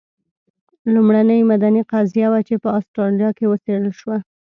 لومړنۍ مدني قضیه وه چې په اسټرالیا کې وڅېړل شوه.